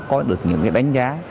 có được những cái đánh giá